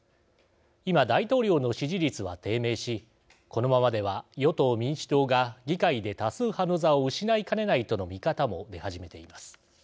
今、大統領の支持率は低迷しこのままでは、与党・民主党が議会で多数派の座を失いかねないとの見方も出始めています。